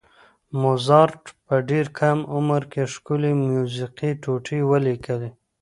موزارټ په ډېر کم عمر کې ښکلې میوزیکي ټوټې ولیکلې.